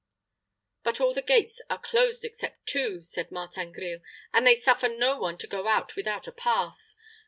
"But all the gates are closed except two," said Martin Grille, "and they suffer no one to go out without a pass.